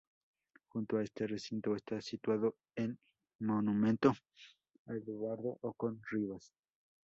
Junto a este recinto está situado el monumento a Eduardo Ocón Rivas.